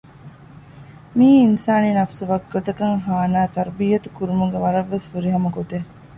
މިއީ އިންސާނީ ނަފުސު ވަކިގޮތަކަށް ހާނައި ތަރްބިޔަތު ކުރުމުގެ ވަރަށްވެސް ފުރިހަމަ ގޮތެއް